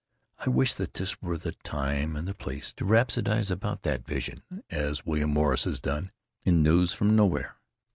I wish that this were the time and the place to rhapsodize about that vision, as William Morris has done, in News from Nowhere.